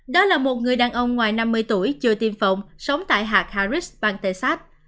đó là một người đàn ông ngoài năm mươi tuổi chưa tiêm phòng sống tại hạt harris bang texas